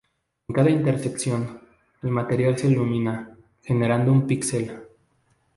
En cada intersección, el material se ilumina, generando un píxel.